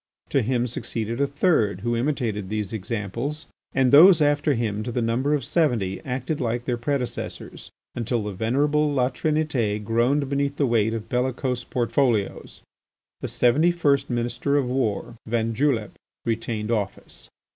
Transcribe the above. To him succeeded a third, who imitated these examples, and those after him to the number of seventy acted like their predecessors, until the venerable La Trinité groaned beneath the weight of bellicose portfolios. The seventy first Minister of War, van Julep, retained office.